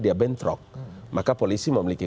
dia bentrok maka polisi memiliki